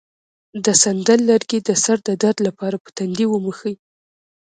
د سندل لرګی د سر د درد لپاره په تندي ومښئ